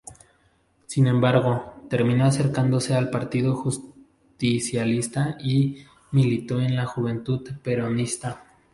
Sin embargo, terminó acercándose al partido Justicialista, y militó en la Juventud Peronista.